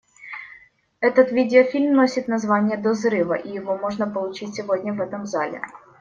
Этот видеофильм носит название «До взрыва», и его можно получить сегодня в этом зале.